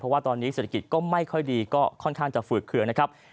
ว่าตอนนี้เศรษฐกิจก็ไม่ค่อยดีก็ค่อนข้างจะฝืดเคืองนะครับ